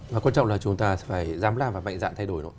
và quan trọng là chúng ta phải dám làm và mạnh dạn thay đổi